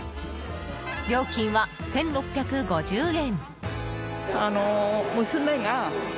料金は１６５０円。